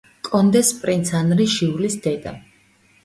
კონდეს პრინც ანრი ჟიულის დედა.